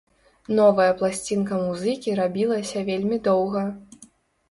Новая пласцінка музыкі рабілася вельмі доўга.